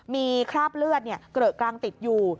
มีคราบเลือดเกลอะกลางติดอยู่